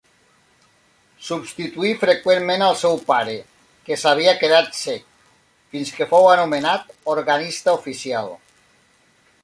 Substituí freqüentment al seu pare, que s'havia quedat cec, fins que fou nomenat organista oficial.